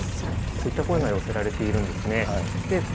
こういった声が寄せられているんですね。